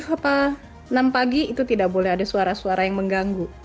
apa enam pagi itu tidak boleh ada suara suara yang mengganggu